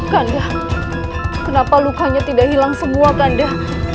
kanda kenapa lukanya tidak hilang semua kanda